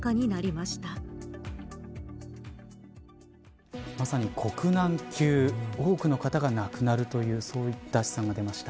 まさに国難級多くの方が亡くなるという試算が出ました。